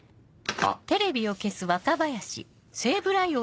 あっ。